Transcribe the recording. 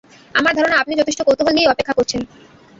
আমার ধারণা আপনি যথেষ্ট কৌতূহল নিয়েই অপেক্ষা করছেন।